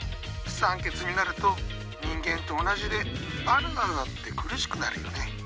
酸欠になると人間と同じでバナナだって苦しくなるよね。